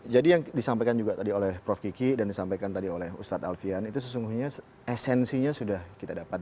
jadi yang disampaikan tadi oleh prof kiki dan disampaikan tadi oleh ustadz alfian itu sesungguhnya esensinya sudah kita dapat